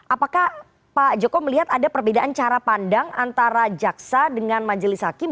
apakah pak joko melihat ada perbedaan cara pandang antara jaksa dengan majelis hakim